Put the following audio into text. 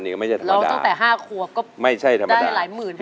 ก็ไม่ใช่ธรรมดาร้องตั้งแต่๕ครัวก็ได้หลายหมื่น